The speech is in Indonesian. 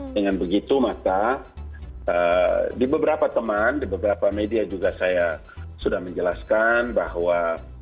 dengan begitu maka di beberapa teman di beberapa media juga saya sudah menjelaskan bahwa